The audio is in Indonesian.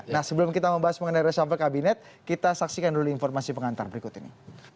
nah sebelum kita membahas mengenai reshuffle kabinet kita saksikan dulu informasi pengantar berikut ini